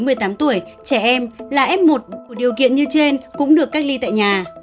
trong một mươi tám tuổi trẻ em là f một của điều kiện như trên cũng được cách ly tại nhà